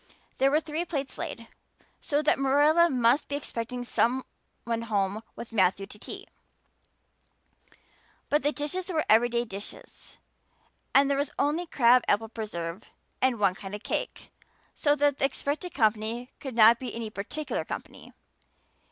There were three plates laid, so that Marilla must be expecting some one home with Matthew to tea; but the dishes were everyday dishes and there was only crab apple preserves and one kind of cake, so that the expected company could not be any particular company.